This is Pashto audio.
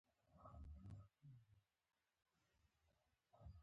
اروپایانو امریکا ته سفر وکړ.